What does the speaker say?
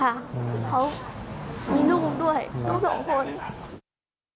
เพราะมีลูกด้วยลูก๒คน